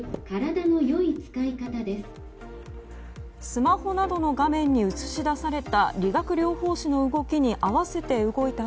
スマホなどの画面に映し出された理学療法士の動きに合わせて動いた